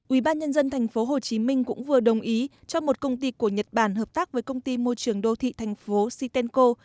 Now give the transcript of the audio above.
ubnd tp hcm cũng vừa đồng ý cho một công ty của nhật bản hợp tác với công ty môi trường đô thị thành phố setenco